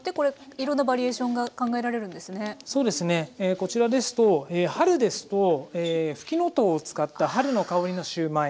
こちらですと春ですとふきのとうを使った春の香りのシューマイ。